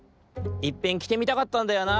いっぺんきてみたかったんだよな。